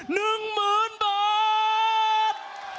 หนึ่งหมื่นบาท